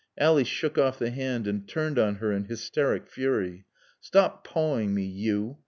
Ally shook off the hand and turned on her in hysteric fury. "Stop pawing me you!